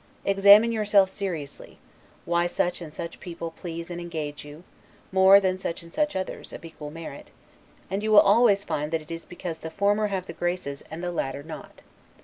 Examine yourself seriously, why such and such people please and engage you, more than such and such others, of equal merit; and you will always find that it is because the former have the Graces and the latter not.